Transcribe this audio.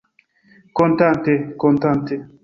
Kontante, kontante.